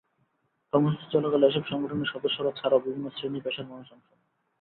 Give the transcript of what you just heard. কর্মসূচি চলাকালে এসব সংগঠনের সদস্যরা ছাড়াও বিভিন্ন শ্রেণি-পেশার মানুষ অংশ নেন।